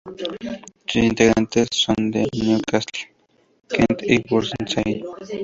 Sus integrantes son de Newcastle, Kent y Guernsey.